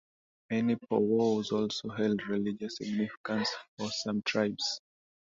Many powwows also held religious significance for some tribes.